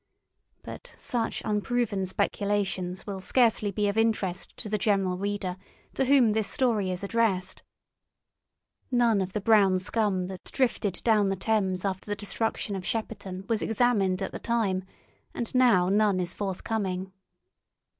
But such unproven speculations will scarcely be of interest to the general reader, to whom this story is addressed. None of the brown scum that drifted down the Thames after the destruction of Shepperton was examined at the time, and now none is forthcoming.